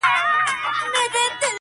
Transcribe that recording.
• عاقبت به یې مغزی پکښي ماتیږي -